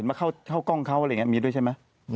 มาเข้ากล้องเขาอะไรอย่างนี้มีด้วยใช่ไหม